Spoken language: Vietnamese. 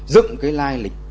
dựng cái lai lịch